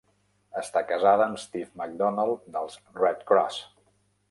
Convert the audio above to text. Està casada amb Steve McDonald dels Redd Kross.